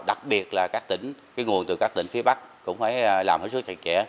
đặc biệt là các tỉnh cái nguồn từ các tỉnh phía bắc cũng phải làm hết sức chặt chẽ